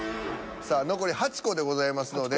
さあ残り８個でございますので。